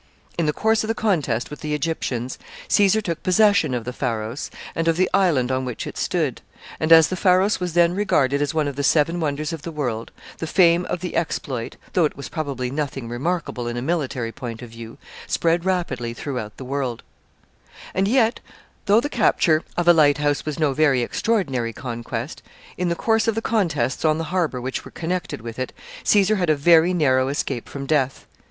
In the course of the contest with the Egyptians, Caesar took possession of the Pharos, and of the island on which it stood; and as the Pharos was then regarded as one of the seven wonders of the world, the fame of the exploit, though it was probably nothing remarkable in a military point of view, spread rapidly throughout the world. [Sidenote: It is captured by Caesar.] And yet, though the capture of a light house was no very extraordinary conquest, in the course of the contests on the harbor which were connected with it Caesar had a very narrow escape from death.